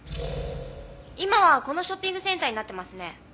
今はこのショッピングセンターになっていますね。